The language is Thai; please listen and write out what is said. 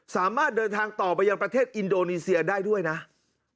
สามารถเดินทางต่อไปยังประเทศอินโดนีเซียได้ด้วยนะ